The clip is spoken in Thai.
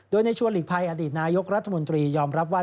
โดยในชัวร์หลีกภัยอดีตนายกรัฐมนตรียอมรับว่า